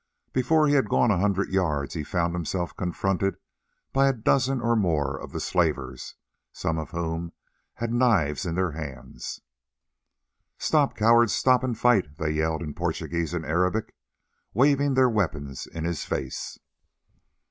Before he had gone a hundred yards he found himself confronted by a dozen or more of the slavers, some of whom had knives in their hands. "Stop, coward, stop and fight," they yelled in Portuguese and Arabic, waving their weapons in his face.